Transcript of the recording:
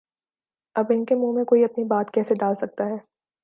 اب ان کے منہ میں کوئی اپنی بات کیسے ڈال سکتا ہے؟